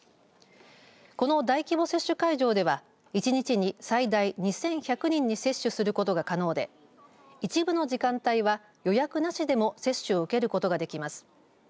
この大規模接種会場では１日に最大２１００人接種することが可能で一部の時間帯は予約なしでも接種を受けることができます。